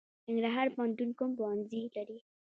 ننګرهار پوهنتون کوم پوهنځي لري؟